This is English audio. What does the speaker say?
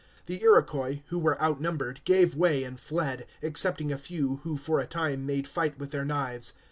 The Iroquois, who were outnumbered, gave way and fled, excepting a few who for a time made fight with their knives.